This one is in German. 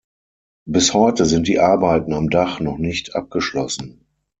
Bis heute sind die Arbeiten am Dach noch nicht abgeschlossen.